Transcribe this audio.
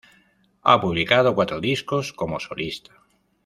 Ha publicado cuatro discos como solista.